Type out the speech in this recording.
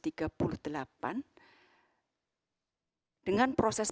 dengan proses pengayakan yang terlalu banyak